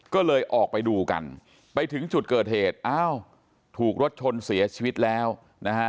ก็เลยออกไปดูกันไปถึงจุดเกิดเหตุอ้าวถูกรถชนเสียชีวิตแล้วนะฮะ